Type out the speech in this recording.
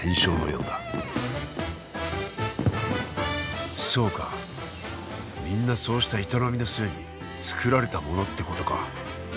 みんなそうした営みの末に作られたものってことか。